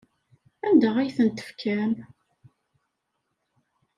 Anda ay tent-tefkam?